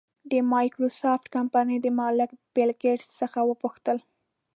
د مایکروسافټ کمپنۍ د مالک بېل ګېټس څخه وپوښتل.